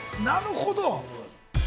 なるほど。